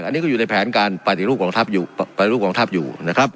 อันนี้ก็อยู่ในแผนการปัดอีกรูปของทัพอยู่